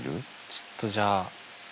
ちょっとじゃあ。